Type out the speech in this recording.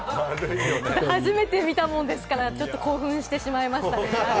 初めて見たものですから、興奮してしまいましたね。